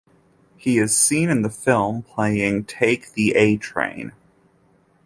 He is seen in the film playing Take the 'A' Train.